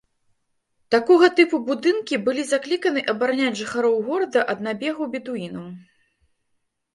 Такога тыпу будынкі былі закліканы абараняць жыхароў горада ад набегаў бедуінаў.